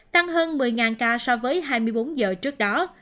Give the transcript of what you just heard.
tăng hơn một mươi ca so với hai mươi bốn giờ trước đó